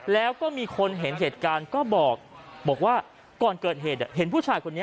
แล้วก็มีคนเห็นเหตุการณ์ก็บอกว่าก่อนเกิดเหตุเห็นผู้ชายคนนี้